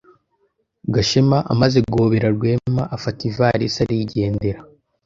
Gashema amaze guhobera Rwema, afata ivalisi arigendera.